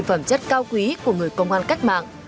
phẩm chất cao quý của người công an cách mạng